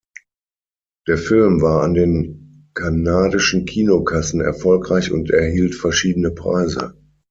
Der Film war an den kanadischen Kinokassen erfolgreich und erhielt verschiedene Preise.